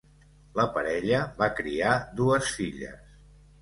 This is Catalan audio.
La parella va criar dues filles.